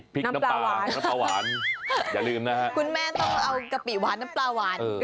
พริกน้ำปลาหวานอย่าลืมนะครับคุณแม่ต้องเอากะปิหวานน้ำปลาหวาน